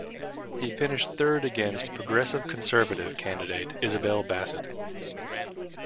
He finished third against Progressive Conservative candidate Isabel Bassett.